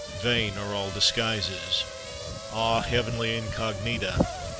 Vain are all disguises! Ah, Heavenly incognita!